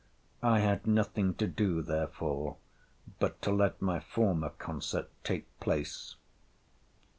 I had nothing to do, therefore, but to let my former concert take place.